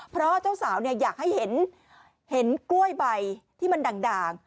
เพราะเจ้าสาวอยากให้เห็นกล้วยใบที่มันด่าง